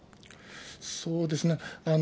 そうですね。